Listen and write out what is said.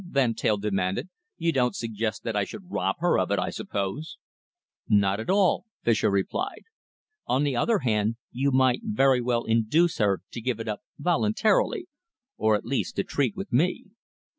Van Teyl demanded. "You don't suggest that I should rob her of it, I suppose?" "Not at all," Fischer replied. "On the other hand, you might very well induce her to give it up voluntarily, or at least to treat with me."